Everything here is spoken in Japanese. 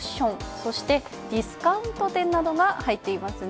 そしてディスカウント店などが入っていますね。